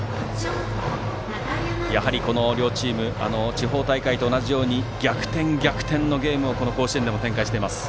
やはり両チーム地方大会と同じように逆転、逆転のゲームを甲子園でも展開しています。